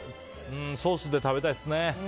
ソースで食べたいですね。